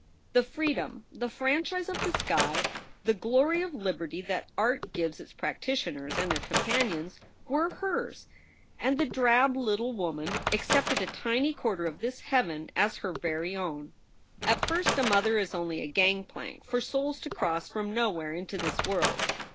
The freedom, the franchise of the sky, the glory of liberty that art gives its practicers and their companions, were hers, and the drab little woman accepted a tiny corner of this heaven as her very own. At first a mother is only a gangplank for souls to cross from nowhere into this world.